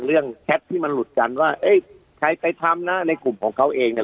แชทที่มันหลุดกันว่าเอ๊ะใครไปทำนะในกลุ่มของเขาเองเนี่ย